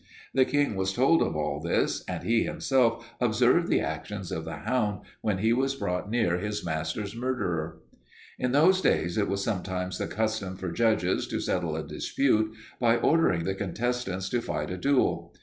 The King was told of all this and he himself observed the actions of the hound when he was brought near his master's murderer. "In those days it was sometimes the custom for judges to settle a dispute by ordering the contestants to fight a duel.